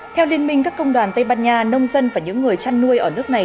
theo liên minh các công đoàn tây ban nha nông dân và những người chăn nuôi ở nước này